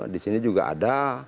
di sini juga ada